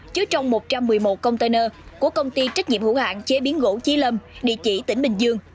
chứa trong một trăm một mươi một container của công ty trách nhiệm hữu hạng chế biến gỗ trí lâm địa chỉ tỉnh bình dương